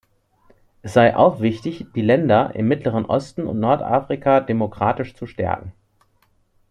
Es sei auch wichtig, die Länder im Mittleren Osten und Nordafrika demokratisch zu stärken.